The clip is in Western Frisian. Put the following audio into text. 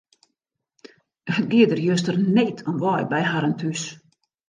It gie der juster need om wei by harren thús.